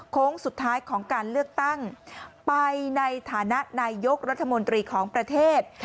โค้งสุดท้ายของการเลือกตั้งไปในฐานะนายยกรัฐมนตรีของประเทศ